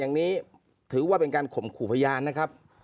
อย่างนี้ถือว่าเป็นการข่มขู่พยานนะครับ